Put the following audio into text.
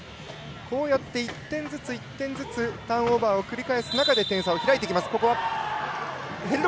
こうやって１点ずつ１点ずつターンオーバーを繰り返す中で点差が開いてきます。